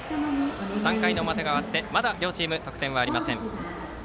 ３回の表が終わって両チームまだ得点がありません。